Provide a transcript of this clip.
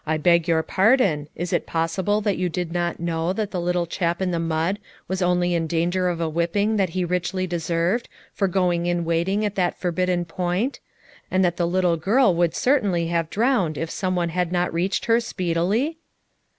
"I beg your pardon, is it possible that you did not know that the little chap in the mud was only in danger of a whipping that he richly deserved, for going in wading at that for bidden point ; and that the little girl would cer tainly have drowned if some one had not reached her speedily?"